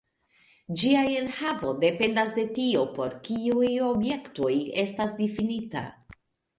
Ĝia enhavo dependas de tio, por kiuj objektoj estas difinita.